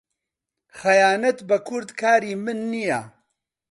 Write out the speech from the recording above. خەیانەت بە کورد کاری من نییە.